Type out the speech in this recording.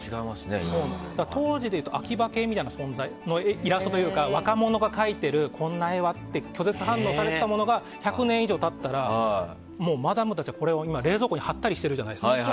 当時でいうと秋葉系みたいな存在のイラストというか若者が描いているこんな絵はって拒絶反応されたものが１００年以上経ったらもうマダムたちはこれを冷蔵庫に貼ってたりするじゃないですか。